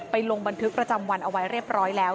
ลงบันทึกประจำวันเอาไว้เรียบร้อยแล้ว